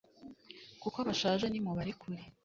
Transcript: kuko bashaje nimubarekure